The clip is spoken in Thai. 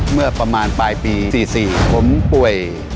เมื่อประมาณปลายปี๔๔ผมป่วย